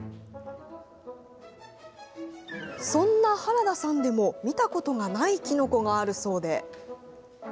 そんな原田さんでも見たことがないキノコがあるそうで。